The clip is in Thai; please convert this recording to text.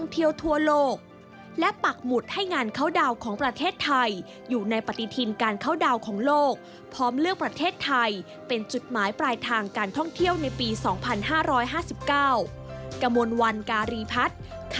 ติดตามจากแรงงานครับ